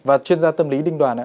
và chuyên gia tâm lý đinh đoàn